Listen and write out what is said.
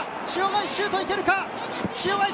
シュートいけるか？